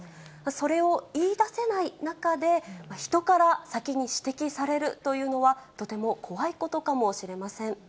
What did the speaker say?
それを言い出せない中で、人から先に指摘されるというのは、とても怖いことかもしれません。